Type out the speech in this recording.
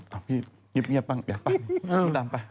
เอ้าพี่ยิบเยี่ยมปั้ง